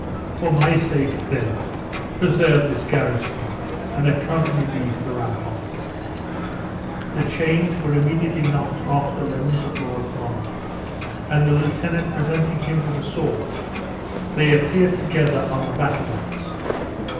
For my sake, then, preserve this garrison, and accompany me to the ramparts." The chains were immediately knocked off the limbs of Lord Mar, and the lieutenant presenting him with a sword, they appeared together on the battlements.